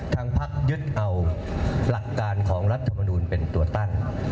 ทางพักยึดเอาหลักการของรัฐมนูลเป็นตัวตั้ง